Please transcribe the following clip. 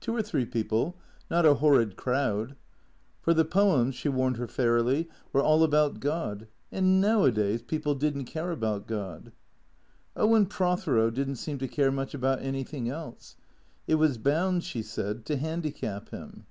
Two or three people, not a horrid crowd. For the poems, she warned her fairly, were all about God ; and nowadays people did n't care about God. Owen Prothero did n't seem to care much about anything else. It was bound, she said, to handicap him.